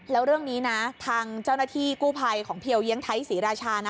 แล้วเรื่องนี้นะทางเจ้าหน้าที่กู้ภัยของเพียวเยียงไทยศรีราชานะ